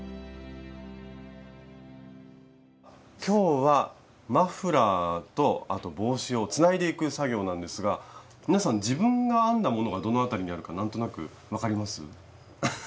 今日はマフラーとあと帽子をつないでいく作業なんですが皆さん自分が編んだものがどのあたりにあるか分かります？